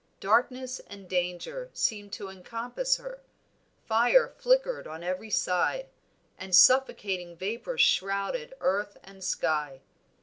Darkness and danger seemed to encompass her, fire flickered on every side, and suffocating vapors shrouded earth and sky.